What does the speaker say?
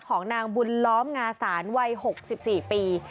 ของนางบุญล้อมงาสารวัย๖๔ปี